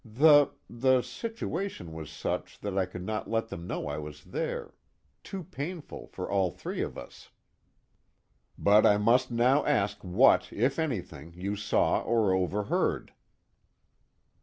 The the situation was such that I could not let them know I was there too painful for all three of us." "But I must now ask what if anything you saw or overheard."